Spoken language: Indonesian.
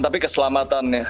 tapi keselamatan ya